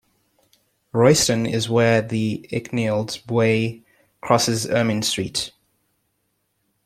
Royston is where the Icknield Way crosses Ermine Street.